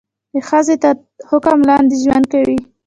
د ښځې تر حکم لاندې ژوند کوي.